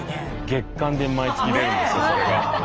月刊で毎月出るんですよそれが。